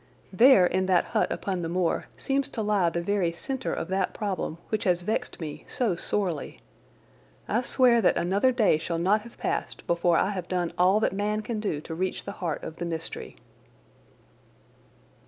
There, in that hut upon the moor, seems to lie the very centre of that problem which has vexed me so sorely. I swear that another day shall not have passed before I have done all that man can do to reach the heart of the mystery.